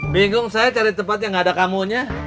bingung saya cari tempat yang gak ada kamu nya